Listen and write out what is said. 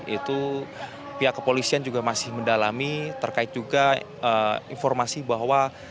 itu pihak kepolisian juga masih mendalami terkait juga informasi bahwa